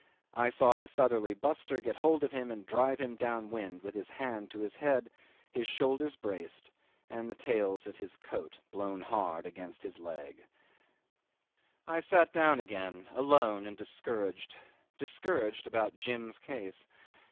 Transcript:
I saw the southerly buster get hold of him and drive him down wind with his hand to his head, his shoulders braced, and the tails of his coat blown hard against his legs. 'I sat down again alone and discouraged discouraged about Jim's case.